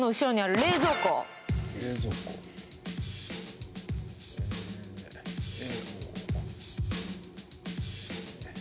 冷蔵庫え